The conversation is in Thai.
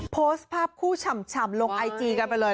โพสต์ภาพคู่ฉ่ำลงไอจีกันไปเลย